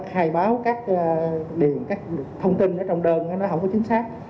hài báo các điền các thông tin ở trong đơn nó không có chính xác